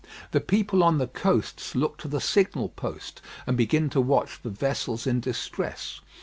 The people on the coasts look to the signal post, and begin to watch for vessels in distress.